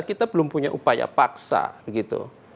kita belum punya upaya paksa gitu